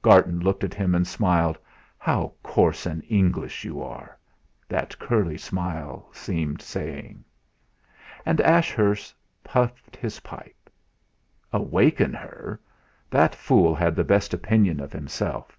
Garton looked at him and smiled. 'How coarse and English you are!' that curly smile seemed saying. And Ashurst puffed his pipe. Awaken her! That fool had the best opinion of himself!